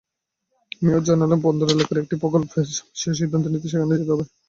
Mayor জানালেন, বন্দর এলাকার একটি প্রকল্পের বিষয়ে সিদ্ধান্ত নিতে সেখানে যেতে হবে।